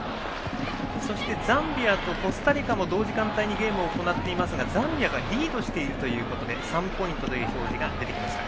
そしてザンビアとコスタリカも同時間帯にゲームを行っていますがザンビアがリードしているということで３ポイントという表示が出ていました。